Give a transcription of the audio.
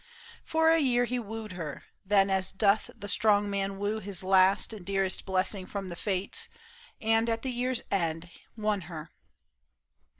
For a year He wooed her, then, as doth the strong man woo His last and dearest blessing from the fates, And at the year's end won her.